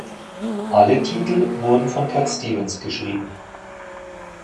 Alle Titel wurden von Cat Stevens geschrieben.